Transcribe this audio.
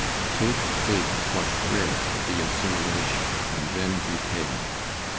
Kate's face flushed red at the insinuation, and then grew pale.